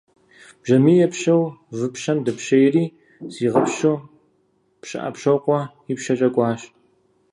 Бжьамий епщэу выпщэм дэпщейри, зигъэпщу Пщыӏэпщокъуэ ипщэкӏэ кӏуащ.